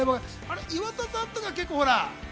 岩田さんとか、結構ほら。